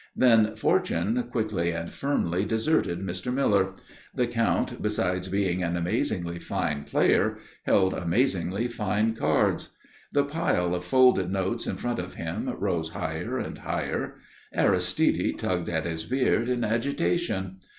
Then, fortune quickly and firmly deserted Mr. Miller. The Count besides being an amazingly fine player, held amazingly fine hands. The pile of folded notes in front of him rose higher and higher. Aristide tugged at his beard in agitation.